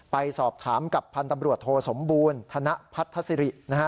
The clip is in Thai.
ไปสอบถามกับพันธ์ตำรวจโทสมบูรณ์ธนพัทธสิรินะฮะ